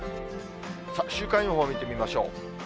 週間予報を見てみましょう。